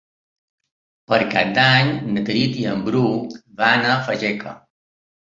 Per Cap d'Any na Tanit i en Bru van a Fageca.